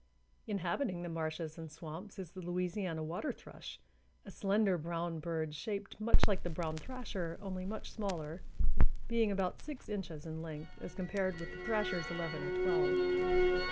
Inhabiting the marshes and swamps is the Louisiana water thrush, a slender brown bird shaped much like the brown thrasher, only much smaller, being about six inches in length as compared with the thrasher's eleven or twelve.